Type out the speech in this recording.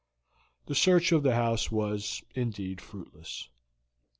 The search of the house was indeed fruitless.